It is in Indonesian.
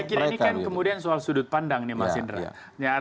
saya kira ini kan kemudian soal sudut pandang nih mas indra